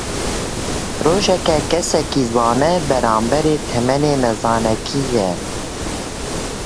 Rojeke kesekî zana, beramberê temenê nezanekî ye.